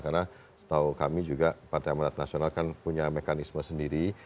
karena setahu kami juga partai amanat nasional kan punya mekanisme sendiri